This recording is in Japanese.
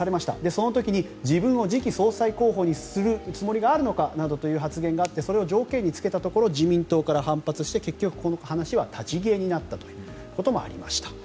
その時に自分を次期総裁候補にするつもりがあるのかなどという発言があってそれを条件につけたところ自民党から反発して結局この話は立ち消えになったということもありました。